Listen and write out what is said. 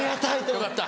よかった。